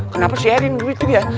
kenapa si edwin begitu ya